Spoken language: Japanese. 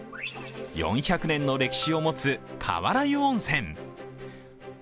４００年の歴史を持つ川原湯温泉。